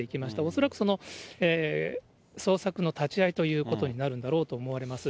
恐らくその、捜索の立ち会いということになるんだろうと思われます。